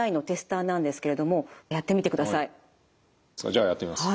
じゃあやってみます。